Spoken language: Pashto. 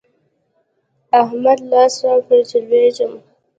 احمده! لاس راکړه چې لوېږم.